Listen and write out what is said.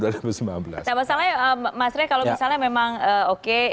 nah masalahnya mas rey kalau misalnya memang oke